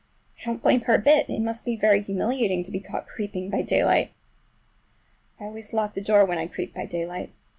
I don't blame her a bit. It must be very humiliating to be caught creeping by daylight! I always lock the door when I creep by daylight.